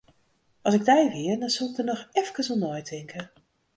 As ik dy wie, dan soe ik der noch efkes oer neitinke.